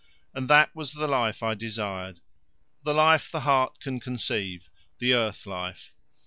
And that was the life I desired the life the heart can conceive the earth life.